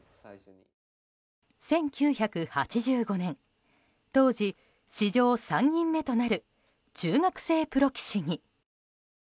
１９８５年当時、史上３人目となる中学生プロ棋士に。